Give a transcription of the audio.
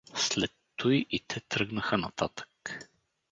След туй и те тръгнаха нататък.